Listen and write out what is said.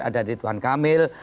ada ridwan kamil